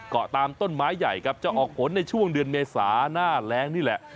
เกาะตามต้นไม้ใหญ่ครับจะออกผลในช่วงเดือนเมษาหน้าแรงนี่แหละ